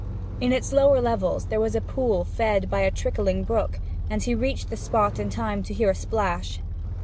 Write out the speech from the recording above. In its lower levels there was a pool fed by a trickling brook, and he reached this spot in time to hear a splash.